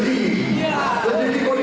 jangan lupa untuk berpunji